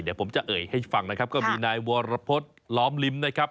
เดี๋ยวผมจะเอ่ยให้ฟังนะครับก็มีนายวรพฤษล้อมลิ้มนะครับ